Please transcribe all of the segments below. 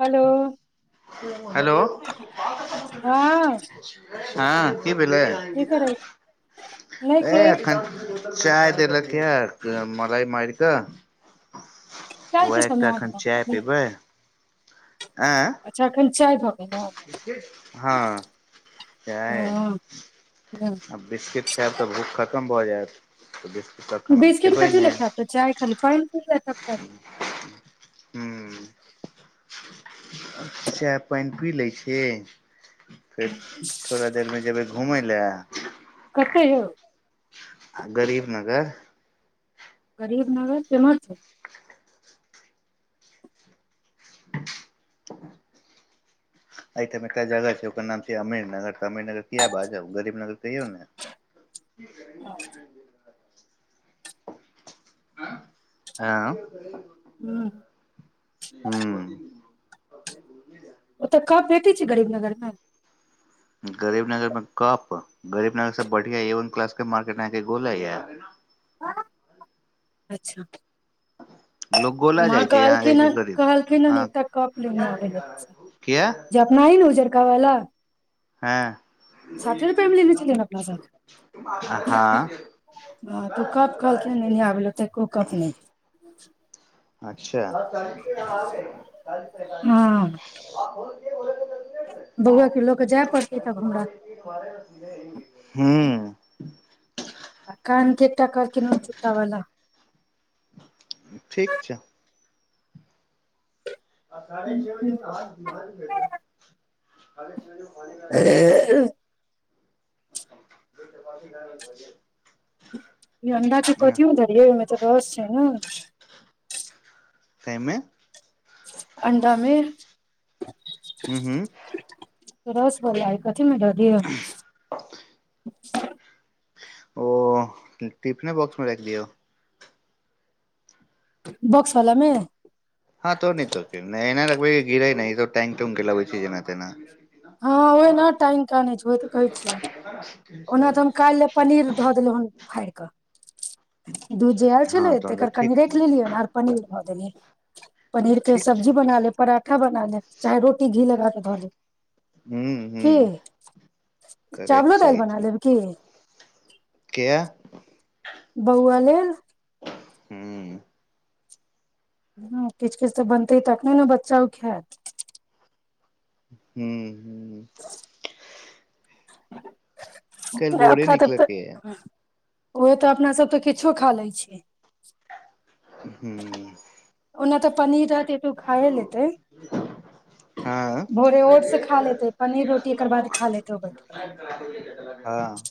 hello [unintelligible] hello हँ हँ क भेललै की करै नहि ए के एखन चाय देल कि मलाइ मइर क काल्हि कि सब माँ आनतो ऐं चाय भऽ गेल हँ चाय हँ अब बिसकिट खैब तऽ भुखल कम भऽ जैत बिस्किट कथी लेल खैब तऽ चाय खाली पाइन पी लेब तऽ चाय [unintelligible] सैह पाइन पी लै छी फिर भोरमे जेबै घूमय लए कतऽ यौ गरीब नगर गरीब नगर केम्हर छै अइ ठाम एकटा जगह छै ओकर नाम छै अमीरनगर तऽ अमीर नगर किया बाजब गरीबनगर कहियो ने [unintelligible] हँ हूँ ह्म ओतय कप भेटै छै गरीब नगरमे गरीब नगर मे कप गरीब नगर से बढ़िया ए वन क्लास के मार्केट अहाँके गोला यै अच्छा लोग गोला जाइ माँ छै अहाँ जाइ छै कहलखिनहन गरीब कहलखिनहन हँ एकटा कप लेने आबै लेल किया जे अपना हइ ने उजरका वाला हँ साठे रुपए मे लेने छलियै अपना सब हँ हँ तो कप कहलखिन लेने आबै लए तऽ एको कप नहि अच्छा [unintelligible] बौआके लऽ कऽ जाय पड़तै तब हमरा हूँ कानके का एकटा चुटा बला ठीक छै आ साढ़े छे बजे हथ ह बेैे [unintelligible] [unintelligible] [unintelligible] ई अंडा के कथि मे धरियै ओहिमे तऽ रस छै ने सहिमे अण्डामे हूँ हूँ रस वाला है क थी मे दऽ दियऽ [unintelligible] ओ तऽ टिफिने बॉक्स मे राखि दियौ बक्सवलामे हँ तऽ आओर नहि तऽ कि नहि एहिना र बै गिरै नहि तऽ ई सब टांगि टुंगि के लाबै छै जेना तेना हँ ओहिना टाइंगि कानै छै ओ तऽ कहै छियै ओना तऽ हम काल्हि लए पनीर धऽ देलहुँ हेन फाड़ि कऽ दूध जे आयल हँ छलै तऽ तहन एकर ठीक कनि राखि लेलियै आर पनीर धऽ देलियै पनीर के ठीक छै सब्जी बना लेब पराठा बना लेब चाहे रोटी घीे लगाक धऽ देब ह ह करय चावलो दालि सही बना छै लेब की के बौआ लेल हू ह किछ किछ तऽ बनतै तखने ने बच्चा ओ खायत हू [unintelligible] काल्हि भोरे राखब तब तऽ निकलके या ओहे तऽ अपनासभ तऽ किछो खा लै छी हू ओना तऽ पनीर आर खाए लेते हँ भोरे ओटस खा लेते पनीर रोटी एकर बाद खा लेतेै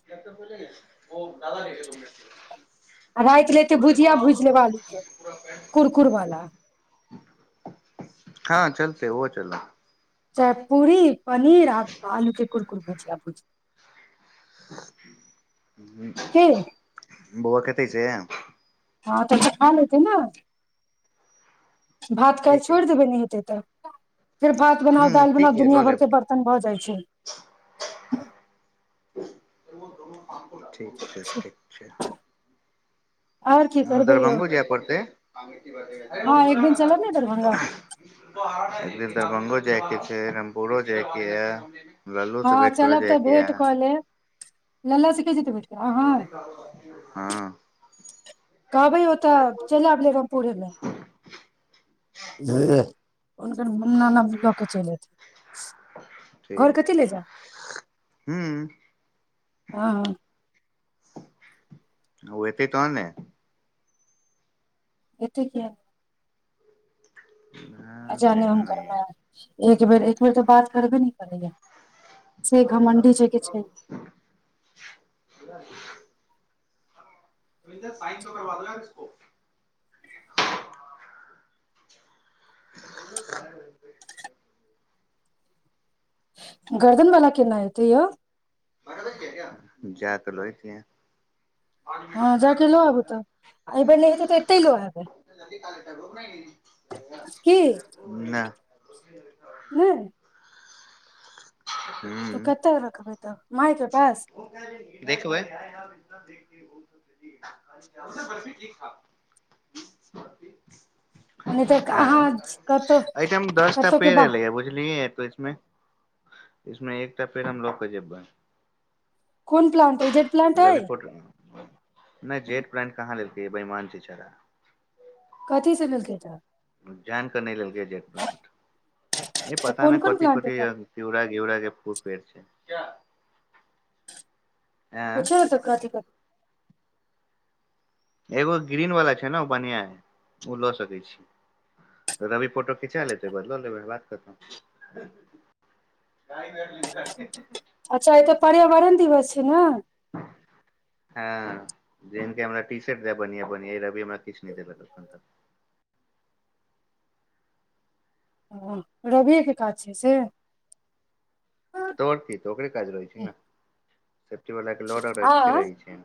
[unintelligible] आ राति ले एते भुजिया भुजि लेब आलूके हँ कुरकुरवला हँ चलतेै उहै चलतै चाहे पूरी पनीर आ आलू के कुरकुर भुजिया भुजिया के [unintelligible] बौआ खेतय से हँ तऽ अब खा लेते ने भात ठीक काल्हि य छोड़ि देबै ने हेतै तऽ फेर भात बनाउ हूँ दालि ठीक बनाउ य दुनिया लऽ लेब भरके बर्तन भऽ जाइ छै [unintelligible] ठीक छै ठीक छै आओर की करबै यौ दरभंगो जाय पड़तै एक हँ एक दिन चलब ने दरभंगा दिन दरभंगो जायके छै रामपुरो जायके यऽ हँ चलब तऽ भेट क लेब लला के जेतैय भेट अहाँ हँ कहबै ओतए चलि आइब ले रामपुरेमे [unintelligible] हुनकर नाना लऽ केऽ चलि अयथिन घर ठीक कथी ले जाइब हूँ हँ हँ ओ एतै तहन ने एतय किया अच्छा नहि नइ हुकरमे नहि एक बेर एक बेर तऽ बात करबे नइ करैय यह [unintelligible] साइन त करबा देलक ओ [unintelligible] गर्दनवला केना हतै यै जा क लऽ एतियै हँ नहि जाक लऽ आबू तऽ एहिबेर नहि हेतै तऽ एते लऽ एबै की नइ तऽ हूँ कतेक रखबै तऽ माइ देखबै बर्फी ठीक था बर्फी आ नहि तऽ ह अहाँ कतौ एहिऐठाम दस टा कतौ के पेड़ बाह लगा बुझलियै तो इसमे इसमे एकटा पेड़ हम लऽ के जेबै कोन प्लाानंट एजेंट प्लांट रवि हइ फोट नहि जेट पलान्ट कहाँ लेलकै बैमान छै छैरा कथी से लेलकै तऽ जाइन क नइ लेलकै जेट पलान्ट ई पता कोन नहि कोन कथि प्लांट अइ कथि तऽ पीवरा गीवरा के खूब पेड़ छै क्या पुछियो न कथि कत एगो ग्रीन वाला छै न उ बढ़िआ हइ ओ लऽ सकै छी रवी फोटो खिचा लेतै ओकेय बाद ल लेबै बात खतम अच्छा आय तऽ पर्यावरण दिवस छै न हँ जन हमरा टी शर्ट द बढ़िआ बढ़िया ई रबि हमरा किछु नहि देलक एखन तक हँ रविए के काज छै से हँ तऽ आओर की तऽ ओकरे काज रहै छै ने सेफ्टी वलाक के लड़ रखते रहै छै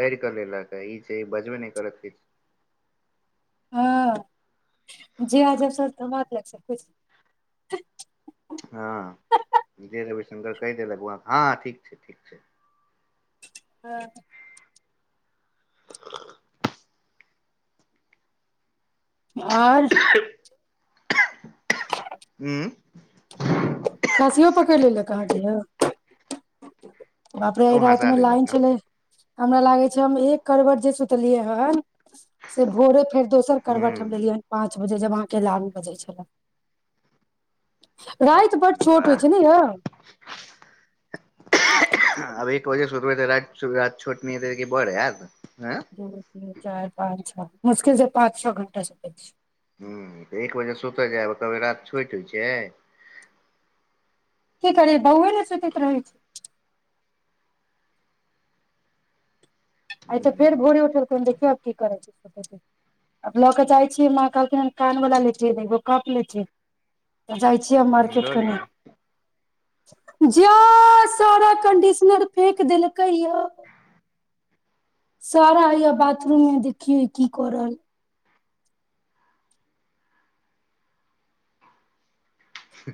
लड़ कऽ लेलक ई छै बजबे नहि करत किछ हँ जे आजब सऽ बात कुछ हँ जे रविशंकर कहि देलक हँ ठीक छै ठीक छै हँ [unintelligible] आओर हू खांसियो पकड़ि लेलक अहाँ के यौ [unintelligible] बापरे आइ ओ हँसा रातिमे लाइन देलक छलै हमरा लागे छै हम एक कड़बट जे सुतलियै हन से भोरे फेर दोसर करबट हम हूँ लेलियैन पाँच बजे जब अहाँ के लालु बजै छलै राति बड्ड छोट होइ छै नै वाह यौ श र छोट न बड़े यार द तीन चार पाँच छ मुश्किल से पाँच छः घण्टा सुतय छियै ह्म्म तऽ एक बजे सुतय जायब कहबै राति छोट होइ छै की करियै बौए ने सुतैत रहै छै आइ तऽ फेर हूँ भोरे उठै परतै देखियौ आब की करै छै आब लऽ केऽ चाहै छी माँ कहलकैहन कानवला लेथिन एगो कप लेथिन तऽ जाइ छियै हम मार्केट लऽ लिअ कनि जा सारा कंडीशनर फेेक देलकै यौ सारा हैयै बाथरूममे देखियौ की कऽ रहल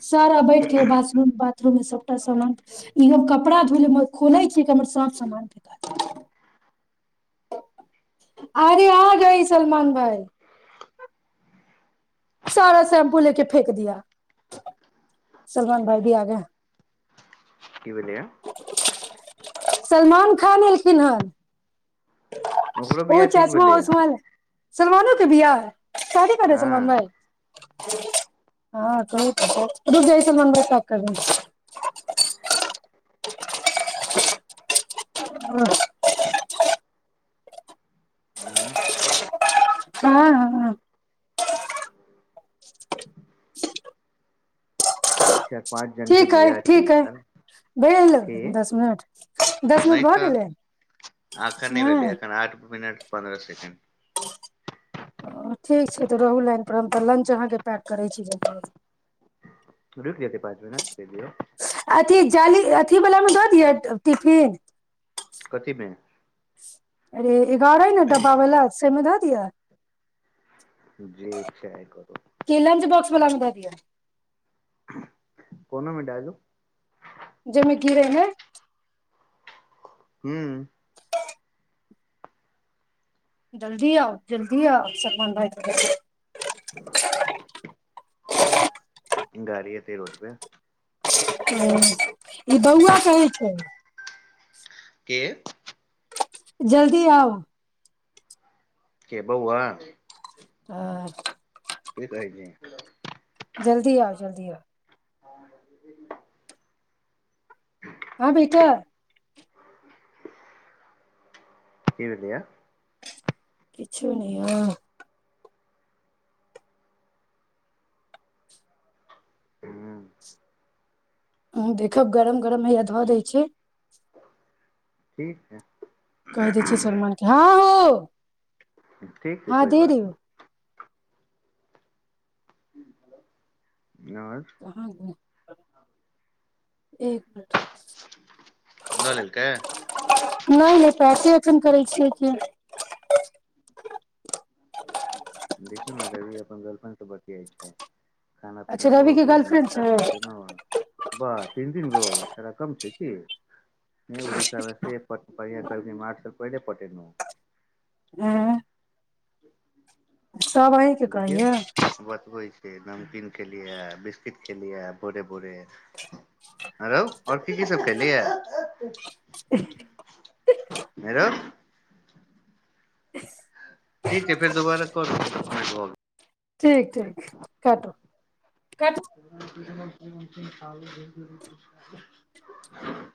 सारा बैठके बाथरूम पर सबटा समान कपड़ा ई हम कपड़ा धोय लेल खोलै छियै हमर सब समान अरे आ गई सलमान भाई सारा शैम्पू लेके फेेक दिया सलमान भाई भी आ गए क भेलैया सलमान खान एयलखिन हन ओकरो ओ बियाह ठीक चश्मा भेलैया उस्मा सलमानो के बिआह शादी करै सलमान हँ भाई हँ तऽ रुक जाइ सलमान भाई कर [unintelligible] हम्म, हँ हँ [unintelligible] के ठीक हइ बियाह छै ठीक ई हइ साल भेल की दस मिनट दस मिनट नहि भऽ तऽ गेलै एखन भेलै नहि एखन आठ मिनट पन्द्रह सेकंड हँ ठीक छै तऽ रहू लाइनपर हम तऽ लंच अहाँके पैक करै छी ज रूकि जाइत पाँच मिनट कहि दिऔ अथी जाली अथी वला मे दऽ दि टिफिन कथीमे अरे एगारइ ने डबाबै ल सेमेदत [unintelligible] जे इच्छा ऐ करू क लंच बॉक्स वालामे दऽ दिअ कोनोमे दे दू जेमे गिरे ने हूँ जल्दी आउ जल्दी आउ सलमान भइ [inaudible] गारी हेतै रोड पे ह ई बौआ कहै छै के जल्दी आउ के बौआ आ की कहै छै जल्दी आउ जल्दी आउ [inaudible] हँ बेटा की भेल ये किछु नहि यौ हँ हम देखब गरम गरम हया धऽ दै छी ठीक छैै कहि दै छियै शरमन के हँ हो त [inaudible] ठीक छै कोइ बात नहि ह [inaudible] कहाँ [inaudible] एक लऽ लेलकै नहि नहि पैसे अखन करै छियै कि देखिय ने अभी अपन गर्लफ्रेंड सँ बतियाइ छै खाना अच्छा पीना भो रवि के गेल गर्लफ्रेंड नश्ता छै छैना हो वाह तीन तीन गो उ छौरा कम छै की नहि उड़ीसा मे सेढ़ार पहिले पटेल सब अहीं के देखियौ कहैये बतबै नमकीन खेलिय बिस्किट खेलिय भोरे भोरे आंइ रौ आओर की की सब खेलिय रौ ठीक ह फेर दोबारा क ठीक ठीक काटू काटू [unintelligible]